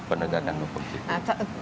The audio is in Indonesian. penegakan law enforcement